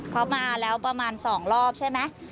เขามาแล้วประมาณ๒รอบใช่ไหม